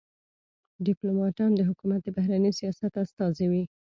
ډيپلوماټان د حکومت د بهرني سیاست استازي وي.